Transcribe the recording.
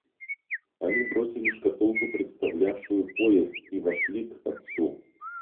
Они бросили шкатулку, представлявшую поезд, и вошли к отцу.